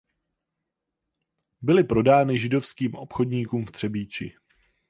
Byly prodány židovským obchodníkům v Třebíči.